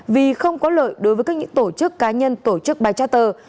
vì không có lợi đối với các những tổ chức cá nhân tổ chức bay charter